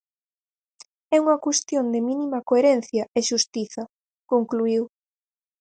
É unha cuestión de mínima coherencia e xustiza, concluíu.